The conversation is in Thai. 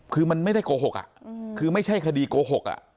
คือมันไม่ได้โกหกคือไม่ใช่คดีโกหก